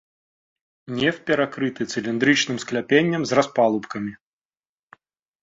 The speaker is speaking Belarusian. Неф перакрыты цыліндрычным скляпеннем з распалубкамі.